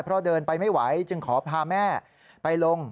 เพราะเดินไปไม่ไหวจึงขอพาแม่ไปลง